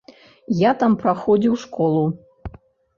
Я там праходзіў школу.